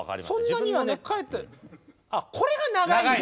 そんなにはねあっこれが長いんだ。